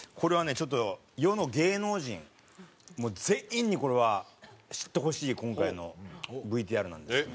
ちょっと世の芸能人全員にこれは知ってほしい今回のＶＴＲなんですけど。